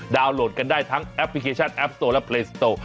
ดาวน์โหลดกันได้ทั้งแอปพลิเคชันแอปสโตร์และเพลย์สโตร์